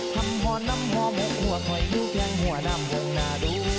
คำพ่อนำฝ่อมกหัวกหอยยืดแห้งหัวกนำของหน้าด้วน